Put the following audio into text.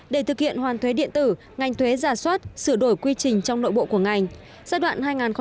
để thực hiện hoàn thuế điện tử ngành thuế giả soát sửa đổi quy trình trong nội bộ của ngành